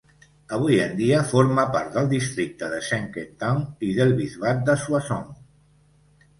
Avui en dia forma part del Districte de Saint-Quentin i del Bisbat de Soissons.